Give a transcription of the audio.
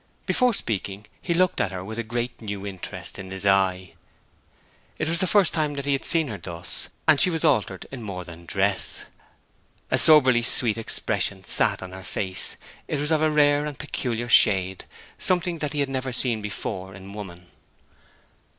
Before speaking he looked at her with a great new interest in his eye. It was the first time that he had seen her thus, and she was altered in more than dress. A soberly sweet expression sat on her face. It was of a rare and peculiar shade something that he had never seen before in woman.